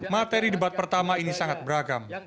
materi debat pertama ini sangat beragam